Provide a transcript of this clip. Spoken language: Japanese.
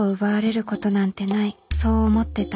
そう思ってた。